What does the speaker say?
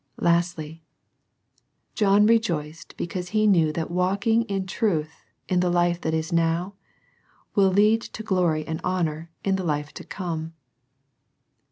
4. Lastly, John rejoiced because he knew t/iat walking in truth in the life that now is, would lead to glory and honour in the life to come.